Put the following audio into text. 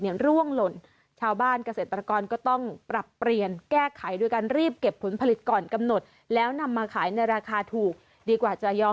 เนี้ยร่วงหล่นชาวบ้านเกษตรกรก็ต้องปรับเปลี่ยนแก้ไขด้วยการรีบเก็บผลผลิตก่อนกำหนดแล้ว